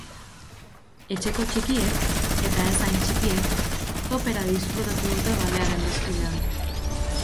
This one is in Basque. Etxeko txikiek, eta ez hain txikiek, topera disfrutatu dute balearen desfilean.